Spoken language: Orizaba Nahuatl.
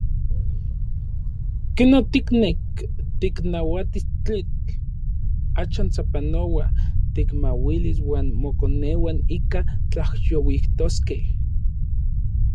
Ken otiknek tiknauatis tlitl, axan sapanoa tikmauilis uan mokoneuan ika tlajyouijtoskej.